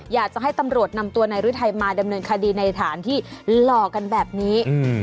อยากจะให้ตำรวจนำตัวนายฤทัยมาดำเนินคดีในฐานที่หลอกกันแบบนี้